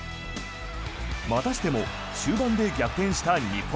またしても終盤で逆転した日本。